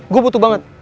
gue butuh banget